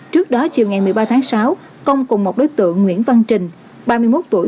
trước đó chiều ngày một mươi ba tháng sáu công cùng một đối tượng nguyễn văn trình ba mươi một tuổi